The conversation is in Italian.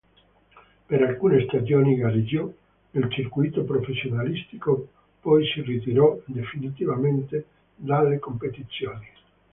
Per alcune stagioni gareggiò nel circuito professionistico, poi si ritirò definitivamente dalle competizioni.